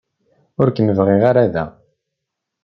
Ur kem-bɣint ara da.